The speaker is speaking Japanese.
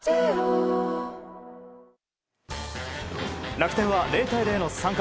楽天は０対０の３回。